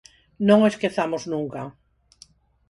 Non o esquezamos nunca.